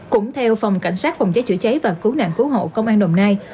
cũng theo phòng cảnh sát phòng cháy chữa cháy và cứu nạn cứu hộ công an đồng nai